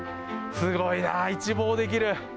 すごいな、一望できる。